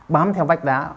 bám theo vách đá